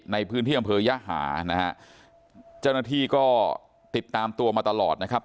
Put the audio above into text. ในพื้นที่อำเภอย่าหานะฮะเจ้าหน้าที่ก็ติดตามตัวมาตลอดนะครับ